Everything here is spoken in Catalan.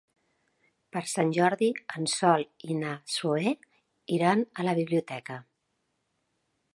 Per Sant Jordi en Sol i na Zoè iran a la biblioteca.